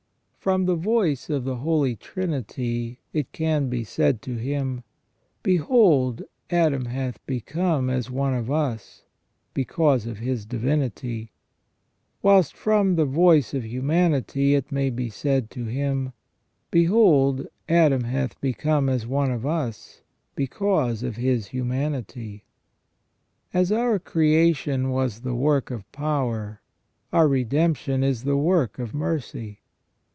From the voice of the Holy Trinity it can be said to Him :" Behold, Adam hath become as one of us," because of His divinity ; whilst from the voice of humanity it may be said to Him :" Behold, Adam hath become as one of us," because of His humanity.* As our creation was the work of power, our redemption is the work of mercy.